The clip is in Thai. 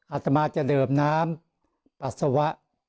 อาตมาจะดื่มน้ำปัสสาวะ